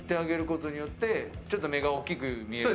そうすると、ちょっと目が大きく見える？